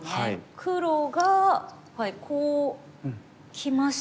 黒がこうきました。